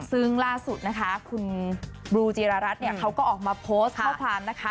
ซึ่งล่าสุดนะคะคุณบลูจีรรัฐเนี่ยเขาก็ออกมาโพสต์ข้อความนะคะ